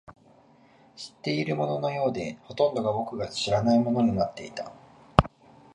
知っているもののようで、ほとんどが僕の知らないものになっていた